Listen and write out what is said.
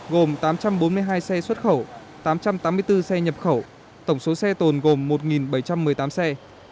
gồm tám trăm bốn mươi hai xe xuất khẩu tám trăm tám mươi bốn xe nhập khẩu tổng số xe tồn gồm một bảy trăm một mươi tám xe